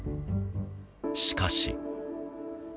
しかし。